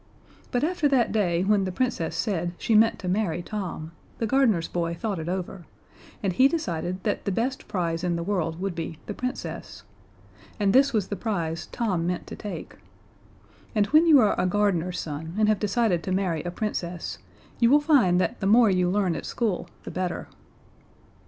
But after that day when the Princess said she meant to marry Tom, the gardener's boy thought it over, and he decided that the best prize in the world would be the Princess, and this was the prize Tom meant to take; and when you are a gardener's son and have decided to marry a Princess, you will find that the more you learn at school the better.